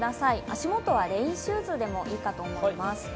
足元はレインシューズでもいいかと思います。